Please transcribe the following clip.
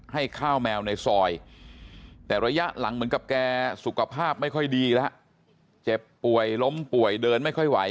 ให้ข้าวแมวในซอยแต่ระยะหลังเหมือนกับแกสุขภาพไม่ค่อยดีแล้วเจ็บป่วยล้มป่วยเดินไม่ค่อยไหว